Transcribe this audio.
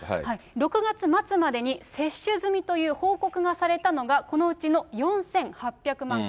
６月末までに接種済みという報告がされたのが、このうちの４８００万回。